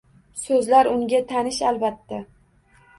So’zlar unga tanish albatta